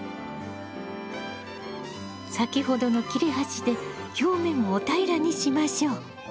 先ほどの切れ端で表面を平らにしましょう。